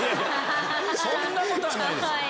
そんなことはないです。